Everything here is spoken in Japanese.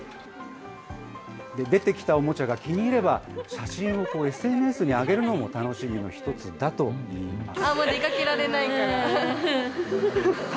出てきたおもちゃが気に入れば、写真をＳＮＳに上げるのも楽しみの一つだといいます。